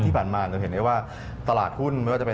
ที่ผ่านมาเราเห็นได้ว่าตลาดหุ้นไม่ว่าจะเป็น